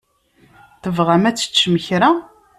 Tebɣam ad teččem kra?